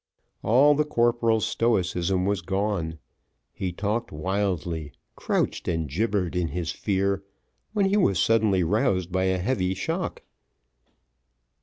All the corporal's stoicism was gone; he talked wildly, crouched and gibbered in his fear, when he was suddenly roused by a heavy shock.